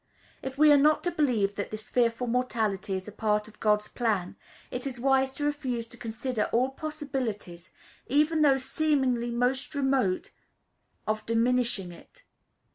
If we are not to believe that this fearful mortality is a part of God's plan, is it wise to refuse to consider all possibilities, even those seemingly most remote, of diminishing it?